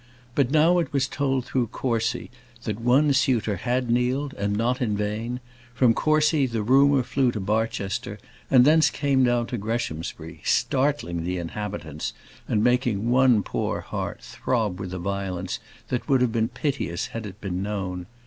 But now it was told through Courcy, that one suitor had kneeled, and not in vain; from Courcy the rumour flew to Barchester, and thence came down to Greshamsbury, startling the inhabitants, and making one poor heart throb with a violence that would have been piteous had it been known.